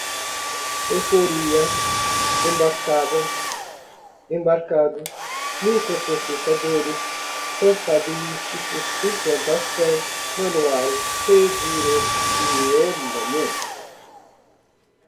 euphoria, embarcada, embarcado, microprocessadores, contabilísticos, implantação, manuais, redirecionamento